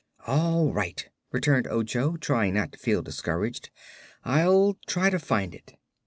"All right," returned Ojo, trying not to feel discouraged; "I'll try to find it."